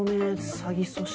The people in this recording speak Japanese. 詐欺組織